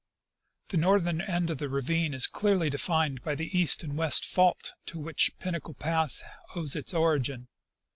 The northern end of the range is clearly defined by the east and west fault to which Pinnacle pass owes its origin.